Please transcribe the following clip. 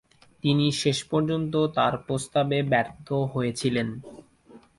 তিনি শেষ পর্যন্ত তার প্রস্তাবে ব্যর্থ হয়েছিলেন।